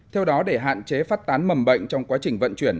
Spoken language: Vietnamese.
theo đó để hạn chế phát tán mầm bệnh trong quá trình vận chuyển